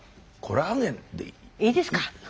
いいですか？